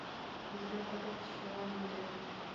بزګر ته کښت ژوند دی